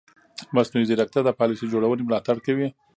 مصنوعي ځیرکتیا د پالیسي جوړونې ملاتړ کوي.